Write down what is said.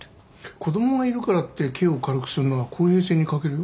子供がいるからって刑を軽くするのは公平性に欠けるよ。